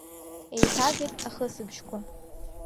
Еиҭагеит ахысыбжьқәа.